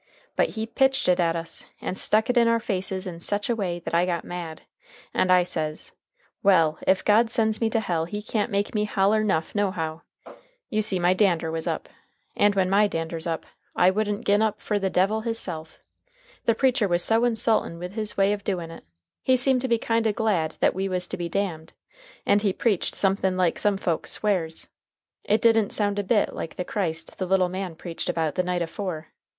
But he pitched it at us, and stuck it in our faces in sech a way that I got mad. And I says, Well, ef God sends me to hell he can't make me holler 'nough nohow. You see my dander was up. And when my dander's up, I wouldn't gin up fer the devil his self. The preacher was so insultin' with his way of doin' it. He seemed to be kind of glad that we was to be damned, and he preached somethin' like some folks swears. It didn't sound a bit like the Christ the little man preached about the night afore.